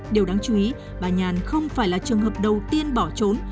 điều đáng chú ý bà nhàn không phải là trường hợp đầu tiên bỏ trốn